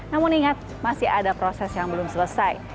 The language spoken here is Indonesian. namun ingat masih ada proses yang belum selesai